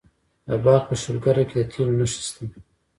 د بلخ په شولګره کې د تیلو نښې شته.